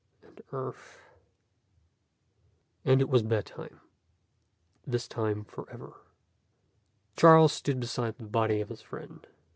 And Earth?" And it was bedtime, this time forever. Charles stood beside the body of his friend.